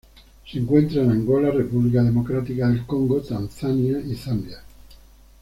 Se encuentra en Angola, República Democrática del Congo, Tanzania y Zambia.